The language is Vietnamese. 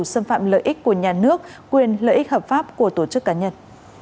xâm phạm lợi ích của nhà nước quyền lợi ích hợp pháp của tổ chức cá nhân